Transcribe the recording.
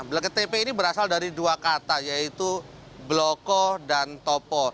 bleket tp ini berasal dari dua kata yaitu bloko dan topo